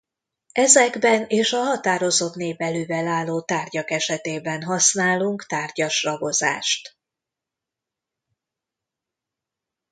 Ezekben és a határozott névelővel álló tárgyak esetében használunk tárgyas ragozást.